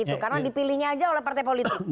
karena dipilihnya aja oleh partai politik